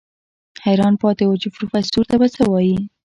حيران پاتې و چې پروفيسر ته به څه وايي.